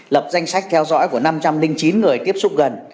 lập danh sách theo dõi của năm trăm linh chín người tiếp xúc gần